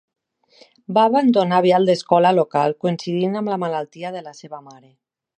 Va abandonar aviat l'escola local coincidint amb la malaltia de la seva mare.